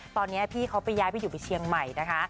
ตอนนี้พี่เขาไปย้ายไปอยู่ไปเชียงใหม่นะคะ